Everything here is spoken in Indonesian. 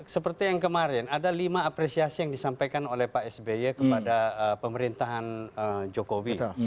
seperti yang kemarin ada lima apresiasi yang disampaikan oleh pak sby kepada pemerintahan jokowi